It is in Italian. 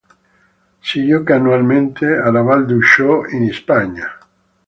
Si gioca annualmente a La Vall d'Uixó in Spagna.